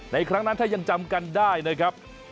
ครั้งนั้นถ้ายังจำกันได้นะครับ